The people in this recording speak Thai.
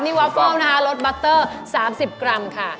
นี่วาฟเฟิลล์ลดบัตเตอร์๓๐กรัมค่ะ